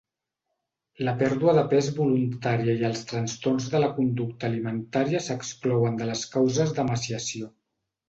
La pèrdua de pes voluntària i els trastorns de la conducta alimentària s'exclouen de les causes d'emaciació.